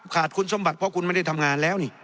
ขาดคุณสมบัติเพราะคุณไม่ได้ทำงานแล้วนี่